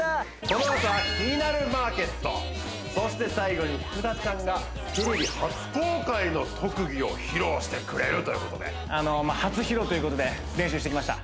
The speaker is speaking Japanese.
このあとは「キニナルマーケット」そして最後に福田さんがテレビ初公開の特技を披露してくれるということで初披露ということで練習してきました